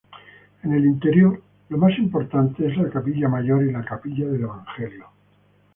En el interior, lo más importante es la capilla mayor y capilla del Evangelio.